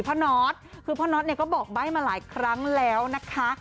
พ่อน็อตก็บอกใบ้มาหลายครั้งแล้วนะคะ